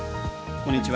こんにちは。